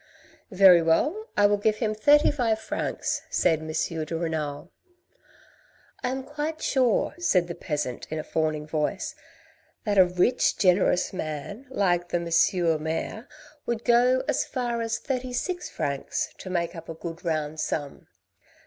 " Very well, I will give him thirty five francs," said M. de Renal. " I am quite sure," said the peasant, in a fawning voice, " that a rich, generous man like the M. mayor would go as far as thirty six francs, to make up a good round sum."